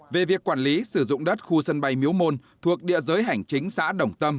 về việc quản lý sử dụng đất khu sân bay miếu môn thuộc địa giới hành chính xã đồng tâm